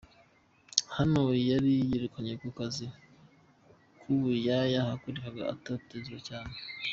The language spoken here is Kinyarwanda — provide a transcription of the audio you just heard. Hano yari yirukanywe mu kazi k'ubuyaya yakoraga atotezwa cyane.